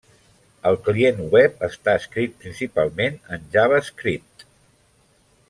El client web està escrit principalment en JavaScript.